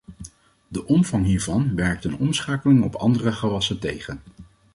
De omvang hiervan werkt een omschakeling op andere gewassen tegen.